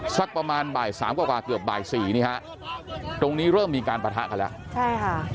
สักประมาณบ่ายสามกว่ากว่าเกือบบ่ายสี่นี่ฮะตรงนี้เริ่มมีการปะทะกันแล้วใช่ค่ะ